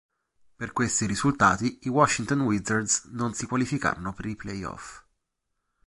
Per questi risultati, i Washington Wizards non si qualificarono per i Playoff.